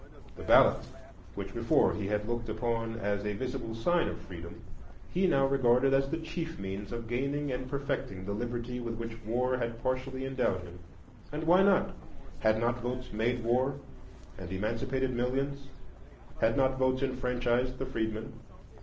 The ballot, which before he had looked upon as a visible sign of freedom, he now regarded as the chief means of gaining and perfecting the liberty with which war had partially endowed him. And why not? Had not votes made war and emancipated millions? Had not votes enfranchised the freedmen?